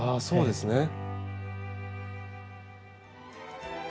そうですね。